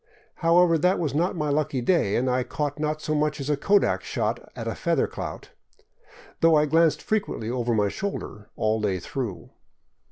However, that was not my lucky day, and I caught not so much as a kodak shot at a feather clout, though I glanced frequently over my shoulder all the day through.